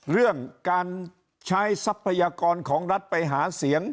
เรื่องการใช้ทรัพยากรของรัฐไปหาเสียง